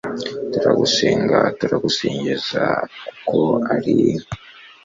turagusenga turagusingiza. kuko ari